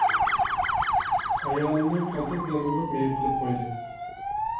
ئايالىنى كالتەك بىلەن ئۇرۇپ مېيىپ قىلىپ قويدى.